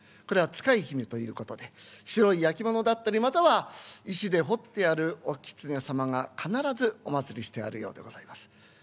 これは使い姫ということで白い焼き物だったりまたは石で彫ってあるおキツネ様が必ずお祭りしてあるようでございます。